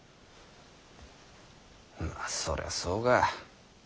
まあそりゃそうか。